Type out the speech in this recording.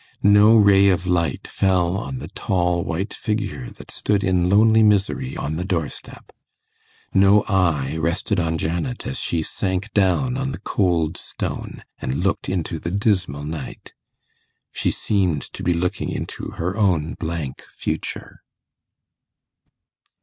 No ray of light fell on the tall white figure that stood in lonely misery on the doorstep; no eye rested on Janet as she sank down on the cold stone, and looked into the dismal night. She seemed to be looking into her own blank future.